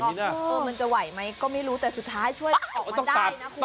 มันจะไหวไหมก็ไม่รู้แต่สุดท้ายช่วยออกมาได้นะคุณ